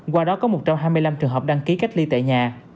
qua đó có một trăm hai mươi năm trường hợp đăng ký cách ly tại nhà